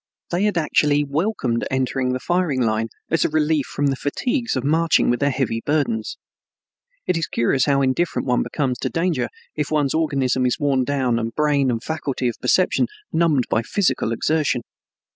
They had actually welcomed entering the firing line, as a relief from the fatigues of marching with their heavy burdens. It is curious how indifferent one becomes to danger if one's organism is worn down and brain and faculty of perception numbed by physical exertion.